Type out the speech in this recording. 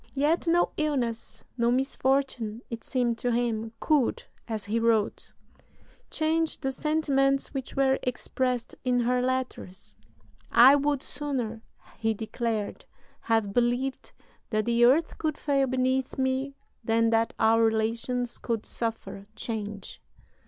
Yet no illness, no misfortune, it seemed to him, could, as he wrote, "change the sentiments which were expressed in [her] letters."... "I would sooner," he declared, "have believed that the earth could fail beneath me than that our relations could suffer change.